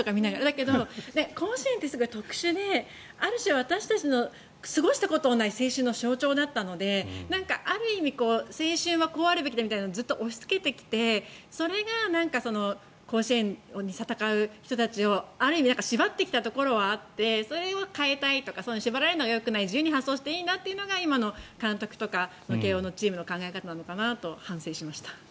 だけど、甲子園ってすごい特殊である種、私たちの過ごしたことのない青春の象徴だったのである意味青春はこうあるべきだとかずっと押しつけてきてそれが甲子園で戦う人たちをある意味縛ってきたところはあってそれを変えたいとか縛られるのはよくない自由に発想していい今の監督とか慶応のチームの考え方なのかなと反省しました。